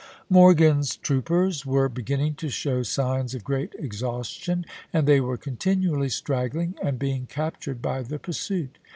Morgan's troopers were beginning to show signs of great exhaustion, and they were continually straggling and being captured by the pursuit.